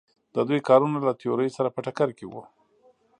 د دوی کارونه له تیورۍ سره په ټکر کې وو.